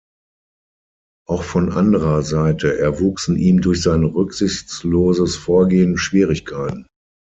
Auch von anderer Seite erwuchsen ihm durch sein rücksichtsloses Vorgehen Schwierigkeiten.